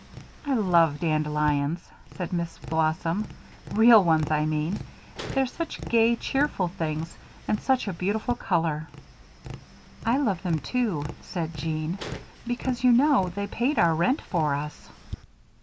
"I love dandelions," said Miss Blossom; "real ones, I mean; they're such gay, cheerful things and such a beautiful color." "I love them, too," said Jean, "because, you know, they paid our rent for us."